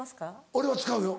俺は使うよ。